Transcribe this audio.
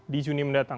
di juni mendatang